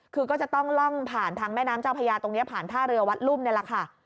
คือก็จะต้องล่องผ่านทางแม่น้ำเจ้าพญาตรงนี้ผ่านท่าเรือวัดรุ่มนี่แหละค่ะ